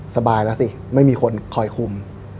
สบายแล้วสิไม่มีคนคอยคุม